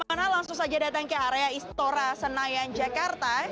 kemana langsung saja datang ke area istora senayan jakarta